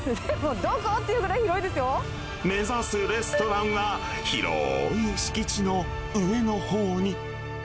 目指すレストランは広い敷地の上のほうに。